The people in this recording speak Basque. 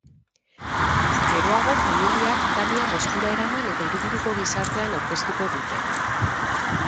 Geroago familiak Tania Moskura eraman eta hiriburuko gizartean aurkeztuko dute.